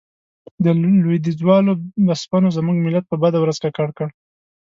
د لوېديځوالو بسپنو زموږ ملت په بده ورځ ککړ کړ.